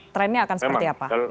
trendnya akan seperti apa